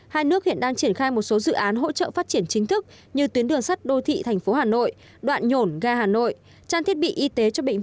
hai nước hiện đang triển khai một số dự án hỗ trợ phát triển chính thức như tuyến đường sắt đô thị thành phố hà nội